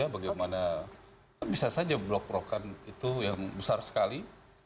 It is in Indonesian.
bagaimana kan bisa saja blok rokan itu yang besar sekali